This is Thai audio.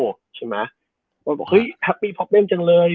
พวกมันบอกฮัปปี้พอปเป็มจังเลย